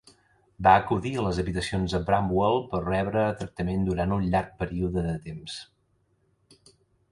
Va acudir a les habitacions de Bramwell per rebre tractament durant un llarg període de temps.